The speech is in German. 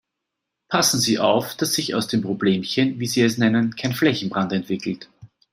Passen Sie auf, dass sich aus dem Problemchen, wie Sie es nennen, kein Flächenbrand entwickelt.